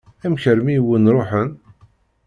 Amek armi i wen-ṛuḥen?